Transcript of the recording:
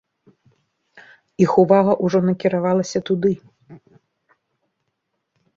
Іх увага ўжо накіравалася туды.